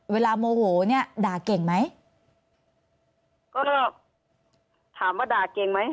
โมโหเนี่ยด่าเก่งไหมก็ถามว่าด่าเก่งไหม